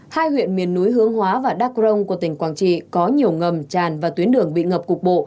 hai huyện miền núi hướng hóa và đắk rông của tỉnh quảng trị có nhiều ngầm tràn và tuyến đường bị ngập cục bộ